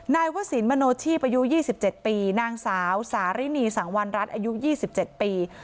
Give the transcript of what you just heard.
วสินมโนชีพอายุ๒๗ปีนางสาวสารินีสังวรรณรัฐอายุ๒๗ปี